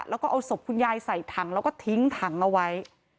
แล้วก็เอาศพคุณยายใส่ถังแล้วก็ทิ้งถังเอาไว้